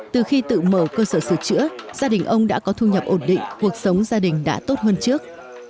từ khi tự mở cơ sở sửa chữa gia đình ông đã có thu nhập ổn định cuộc sống gia đình đã tốt hơn trước